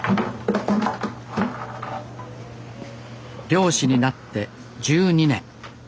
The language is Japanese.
漁師になって１２年。